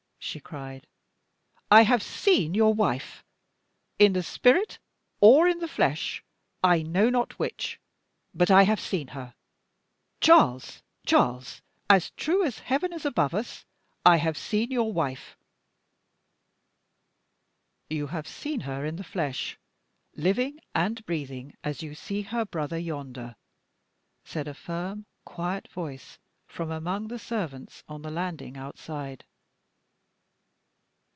she cried. "I have seen your wife in the spirit, or in the flesh, I know not which but I have seen her. Charles! Charles! as true as Heaven is above us, I have seen your wife!" "You have seen her in the flesh, living and breathing as you see her brother yonder," said a firm, quiet voice, from among the servants on the landing outside.